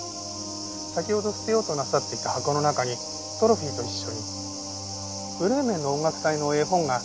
先ほど捨てようとなさっていた箱の中にトロフィーと一緒に『ブレーメンの音楽隊』の絵本が入っていましたね。